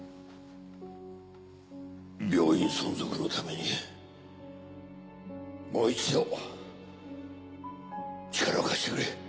病院存続のためにもう一度力を貸してくれ。